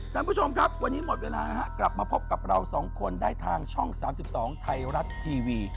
ท่านผู้ชมครับวันนี้หมดเวลากลับมาพบกับเราสองคนได้ทางช่อง๓๒ไทยรัฐทีวี